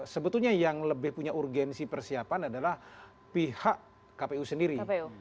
sebetulnya yang lebih punya urgensi persiapan adalah pihak kpu sendiri